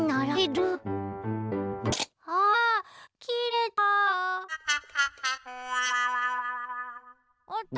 あきれた！